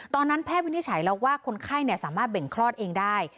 ตอนนั้นแพทย์วินิจฉัยแล้วว่าคนไข้เนี่ยสามารถเบ่งคลอดเองได้